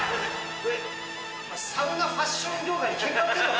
サウナファッション業界にけんか売ってんのか？